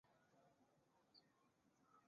直隶曲周县人。